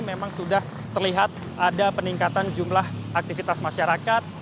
memang sudah terlihat ada peningkatan jumlah aktivitas masyarakat